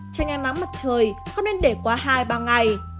tránh ăn nắng mặt trời không nên để quá hai ba ngày